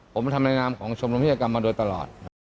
ผมทำในนามของชมรมวิทยากรรมมาโดยตลอด